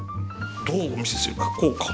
どうお見せするかこうか。